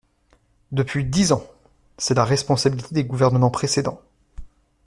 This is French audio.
Depuis dix ans ! C’est la responsabilité des gouvernements précédents.